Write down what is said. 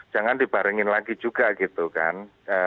jangan dibarengin lagi juga gitu kan